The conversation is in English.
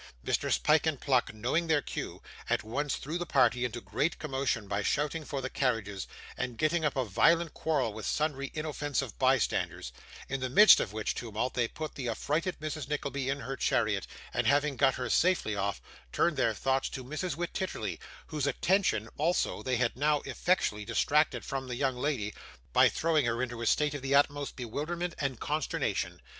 Messrs Pyke and Pluck, knowing their cue, at once threw the party into great commotion by shouting for the carriages, and getting up a violent quarrel with sundry inoffensive bystanders; in the midst of which tumult they put the affrighted Mrs. Nickleby in her chariot, and having got her safely off, turned their thoughts to Mrs. Wititterly, whose attention also they had now effectually distracted from the young lady, by throwing her into a state of the utmost bewilderment and consternation.